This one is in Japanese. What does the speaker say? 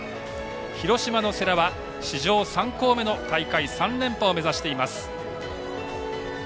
広島の世羅は史上３校目の大会３連覇を目指しています。